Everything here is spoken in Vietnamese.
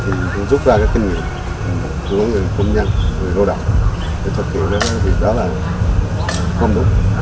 thực hiện cái vụ đó là không đúng